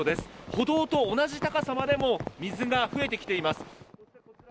歩道と同じ高さまでも水が増えてきています。